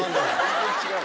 全然違う。